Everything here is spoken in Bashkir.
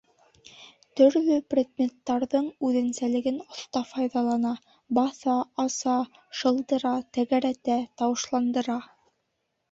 Төрлө предметтарҙың үҙенсәлеген оҫта файҙалана: баҫа, аса, шылдыра, тәгәрәтә, тауышландыра...